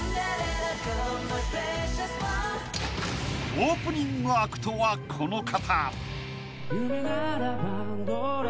［オープニングアクトはこの方］